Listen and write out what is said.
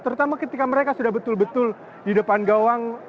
terutama ketika mereka sudah betul betul di depan gawang